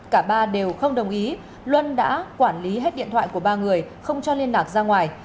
cả ba đều không đồng ý luân đã quản lý hết điện thoại của ba người không cho liên lạc ra ngoài